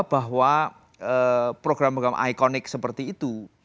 bahwa program program ikonik seperti itu